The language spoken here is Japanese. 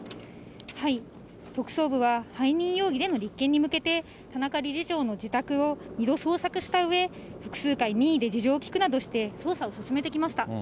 特捜部は背任容疑での立件に向けて、田中理事長の自宅を２度捜索したうえ、複数回任意で事情を聴くなどして、捜査を進めてきました。